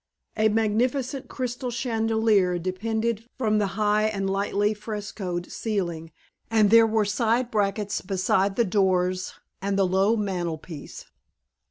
A magnificent crystal chandelier depended from the high and lightly frescoed ceiling and there were side brackets beside the doors and the low mantel piece.